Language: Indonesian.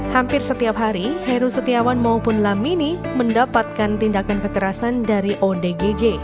hampir setiap hari heru setiawan maupun lamini mendapatkan tindakan kekerasan dari odgj